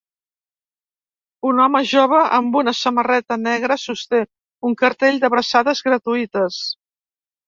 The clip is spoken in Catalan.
Un home jove amb una samarreta negre sosté un cartell d'abraçades gratuïtes.